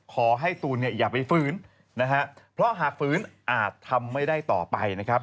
ขอให้ตูนเนี่ยอย่าไปฝืนนะฮะเพราะหากฝืนอาจทำไม่ได้ต่อไปนะครับ